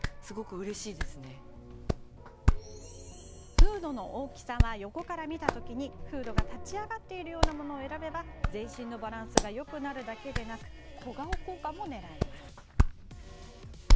フードの大きさは横から見た時にフードが立ち上がっているようなものを選べば全身のバランスがよくなるだけでなく小顔効果も狙えます。